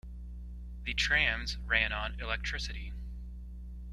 The trams ran on electricity.